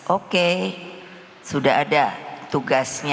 oke sudah ada tugasnya